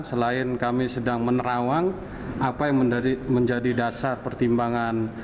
selain kami sedang menerawang apa yang menjadi dasar pertimbangan